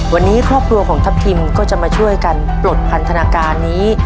วันนี้ครอบครัวของทัพทิมก็จะมาช่วยกันปลดพันธนาการนี้